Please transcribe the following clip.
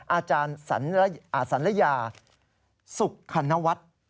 อาจารย์สัลยาสุขคณวัฒน์